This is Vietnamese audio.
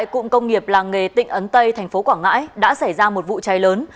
cụm công nghiệp làng nghề tỉnh ấn tây thành phố quảng ngãi đã xảy ra một vụ cháy lớn